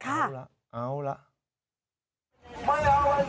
ก็ไม่หงุกโน้ทน่ะนะชอบพักภูมิจันทราศุลยนต์พอให้คุณได้ครับ